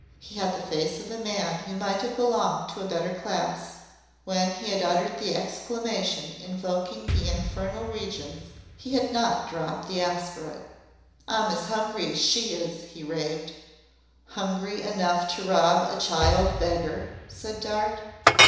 He had the face of a man who might have belonged to a better class. When he had uttered the exclamation invoking the infernal regions he had not dropped the aspirate. "I 'm as hungry as she is," he raved. "Hungry enough to rob a child beggar?" said Dart.